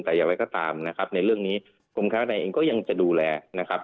แต่อย่างไรก็ตามนะครับในเรื่องนี้กรมค้านัยเองก็ยังจะดูแลนะครับ